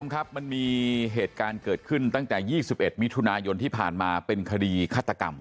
ครับมันมีเหตุการณ์เกิดขึ้นตั้งแต่๒๑มิถุนายนที่ผ่านมาเป็นคดีฆาตกรรม